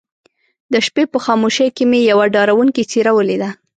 د شپې په خاموشۍ کې مې يوه ډارونکې څېره وليده.